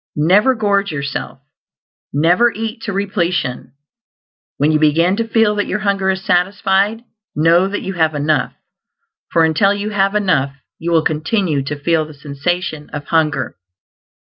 Never gorge yourself; never eat to repletion. When you begin to feel that your hunger is satisfied, know that you have enough; for until you have enough, you will continue to feel the sensation of hunger.